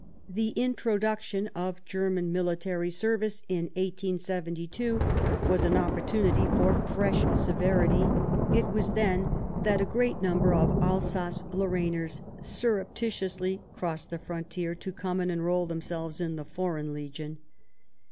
The introduc tion of German military service in 1872 was an opportunity for fresh severity ; it was then that a great number of Alsace Lorrainers surreptitiously crossed the frontier to come and enrol themselves in the Foreign Legion.